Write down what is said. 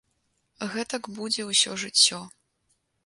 Гэтак будзе ўсё жыццё.